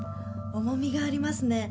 重みがありますね。